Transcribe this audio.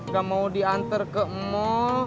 gak mau diantar ke mall